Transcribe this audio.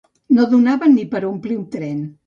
No donaven ni per a omplir un tren.